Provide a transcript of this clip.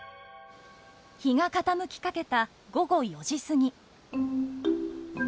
日が傾きかけた午後４時過ぎ。